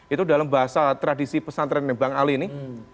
itu dalam bahasa tradisi pesantren bang ali ini